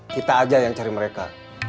kita aja yang cari mereka